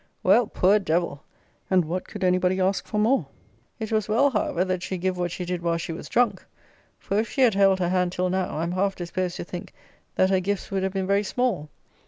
Well, poor devil! And what could any body ask for more? It was well, however, that she give what she did while she was drunk; for, if she had held her hand till now, I am half disposed to think, that her gifts would have been very small.